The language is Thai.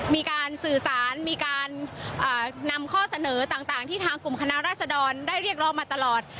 มีการสื่อสารมีการนำข้อเสนอต่างที่ทางกลุ่มคณะราษดรได้เรียกร้องมาตลอด